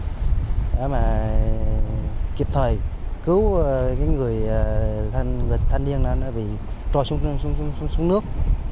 để mà kịp thời cứu người thanh niên nó bị trôi xuống nước